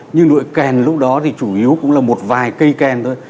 nhưng đụi kèn lúc đó thì chủ yếu cũng là một vài cây kèn thôi